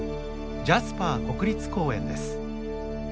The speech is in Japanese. ジャスパー国立公園です。